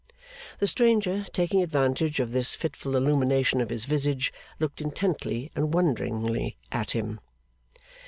The stranger, taking advantage of this fitful illumination of his visage, looked intently and wonderingly at him.